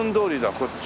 こっちが。